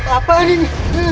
beberapa bang biung